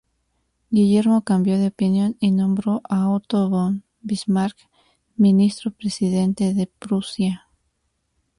Guillermo cambió de opinión y nombró a Otto von Bismarck ministro presidente de Prusia.